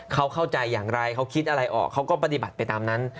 เขาเข้าใจอย่างไรเขาคิดอะไรออกเขาก็ปฏิบัติไปตามนั้น